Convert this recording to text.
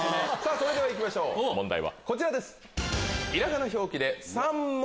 それでは行きましょう問題はこちらです。